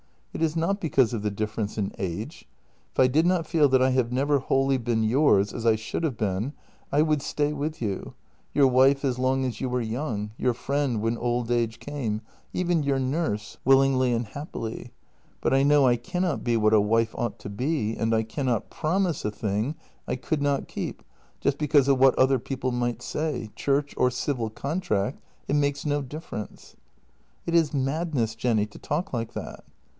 It is not because of the difference in age. If I did not feel that I have never wholly been yours, as I should have been, I would stay with you — your wife as long as you were young, your friend when old age came — even your nurse — willingly and happily. But I know I cannot be what a wife ought to be, and I cannot promise a thing I could not keep just because of what other people might say — church or civil contract, it makes no difference." " It is madness, Jenny, to talk like that."